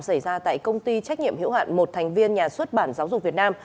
xảy ra tại công ty trách nhiệm hiểu hạn một thành viên nhà xuất bản giáo dục việt nam